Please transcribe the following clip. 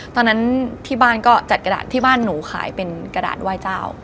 ตอนนั้นที่บ้านก็จัดกระดาษที่บ้านหนูขายเป็นกระดาษไหว้เจ้า